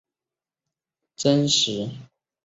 场地中实际上仅放有两张真实椅。